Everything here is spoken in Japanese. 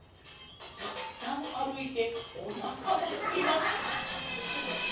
たくさん歩いておなかもすきます。